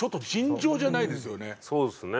そうですね。